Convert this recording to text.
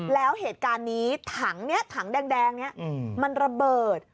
แล้วเหตุการณ์นี้ถังนี้ถังแดงนี้มันระเบิด